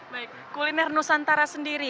baik kuliner nusantara sendiri